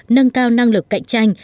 nâng cao năng lực cạnh tranh